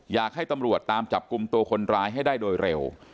อยากให้ตำรวจตามจับกลุ่มตัวคนร้ายให้ได้โดยเร็ว